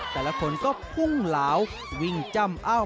แต่ละคนก็พุ่งเหลาวิ่งจ้ำเอ้า